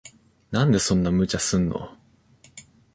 なんでそんな無茶すんの。